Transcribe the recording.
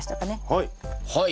はい。